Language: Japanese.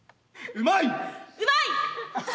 うまい！